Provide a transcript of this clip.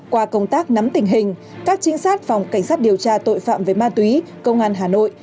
qua công tác nắm tình hình các trinh sát phòng cảnh sát điều tra tội phạm về ma túy công an hà nội